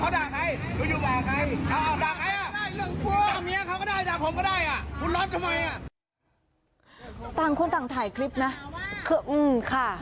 ต่างคนต่างถ่ายเพลง